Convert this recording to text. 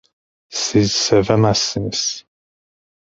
Siz sevemezsiniz…